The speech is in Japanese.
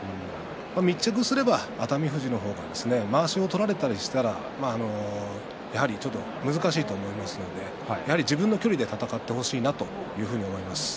密着すれば熱海富士の方がまわしを取られたりしたらちょっと難しいと思いますので自分の距離で戦ってほしいなと思います。